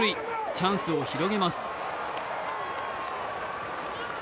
チャンスを広げます。